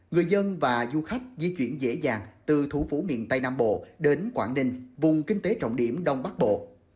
người dân và du khách di chuyển dễ dàng từ thủ phủ miền tây nam bộ đến quảng ninh vùng kinh tế trọng điểm đông bắc bộ